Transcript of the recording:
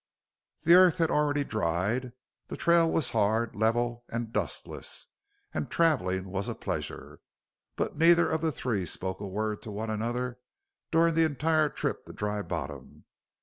The earth had already dried; the trail was hard, level, and dustless, and traveling was a pleasure. But neither of the three spoke a word to one another during the entire trip to Dry Bottom.